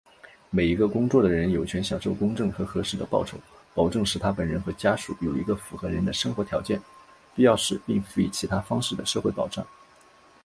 每一个工作的人,有权享受公正和合适的报酬,保证使他本人和家属有一个符合人的生活条件,必要时并辅以其他方式的社会保障。